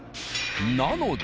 なので。